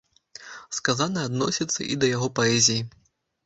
Сказанае адносіцца і да яго паэзіі.